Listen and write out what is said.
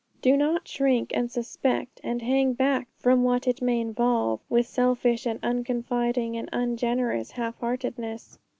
Do not shrink, and suspect, and hang back from what it may involve, with selfish and unconfiding and ungenerous half heartedness.